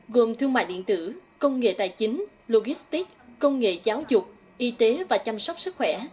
gồm thương mại điện tử công nghệ tài chính logistic công nghệ giáo dục y tế và chăm sóc sức khỏe